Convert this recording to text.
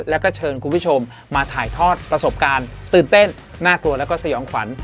แล้วก็เชิญคุณผู้ชมมาถ่ายทอดประสบการณ์ตื่นเต้นน่ากลัวแล้วก็สยองขวัญ